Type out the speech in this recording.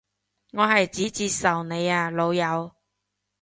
我係指接受你啊老友